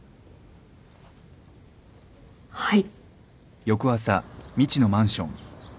はい。